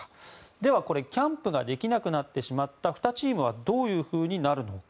では、キャンプができなくなってしまった２チームはどういうふうになるのか。